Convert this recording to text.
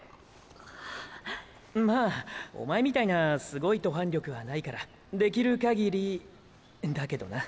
まぁおまえみたいなすごい登坂力はないからできる限りだけどな。